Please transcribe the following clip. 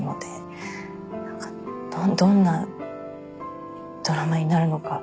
どんなドラマになるのか